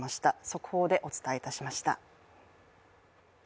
速報でお伝えいたしました。